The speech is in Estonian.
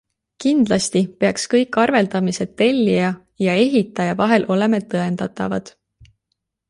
Kindlasti peaks kõik arveldamised tellija ja ehitaja vahel olema tõendatavad.